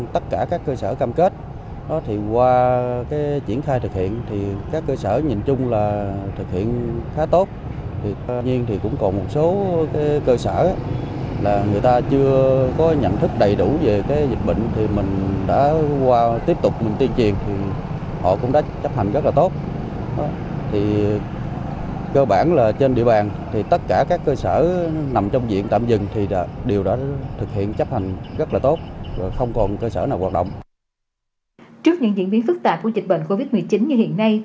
trước những diễn biến phức tạp của dịch bệnh covid một mươi chín như hiện nay